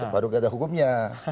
baru ada hukumnya